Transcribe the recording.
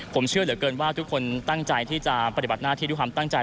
ผมเชื่อเหลือเกินว่าทุกคนตั้งใจที่จะปฏิบัติหน้าที่ด้วยความตั้งใจ